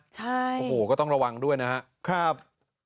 ใช่โอ้โหก็ต้องระวังด้วยนะครับ